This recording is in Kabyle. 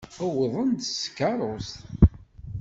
Uwḍen-d s tkeṛṛust.